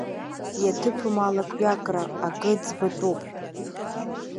Иаҭыԥым алакҩакра, акы ӡбатәуп.